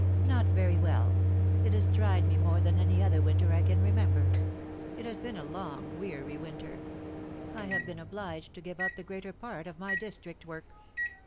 " Not very well. It has tried me more than any other winter I can remember. It has been a long weary winter. I have been obliged to give up the greater part of my district work.